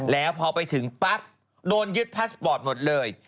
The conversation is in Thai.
แล้วพอไปถึงปั๊บโดนยึดพาสปอร์ตหมดเลย